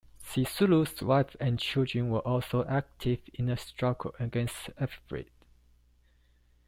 Sisulu's wife and children were also active in the struggle against apartheid.